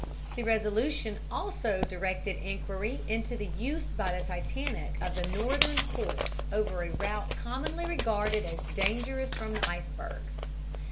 The resolution also directed inquiry into the use by the Titanic of the northern course "over a route commonly regarded as dangerous from icebergs."